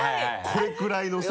これくらいのさ。